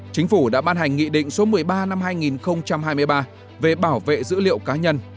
chính phủ đã ban hành nghị định số một mươi ba năm hai nghìn hai mươi ba về bảo vệ dữ liệu cá nhân